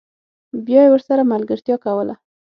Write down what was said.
بیا یې ورسره ملګرتیا کوله